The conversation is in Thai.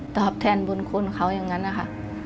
ตอบแทนบุญคุณเขาอย่างนั้นนะคะ